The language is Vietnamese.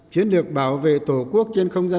chiến lược bảo vệ tổ quốc trên không gian